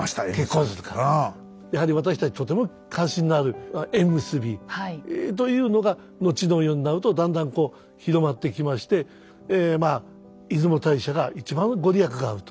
やはり私たちとても関心のある「縁結び」というのが後の世になるとだんだんこう広まってきましてえまあ出雲大社が一番御利益があると。